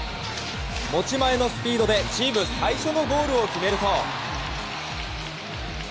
持ち前のスピードでチーム最初のゴールを決めると。